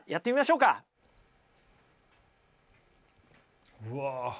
うわ。